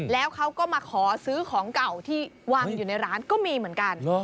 แล้วเขาก็มาขอซื้อของเก่าที่วางอยู่ในร้านก็มีเหมือนกัน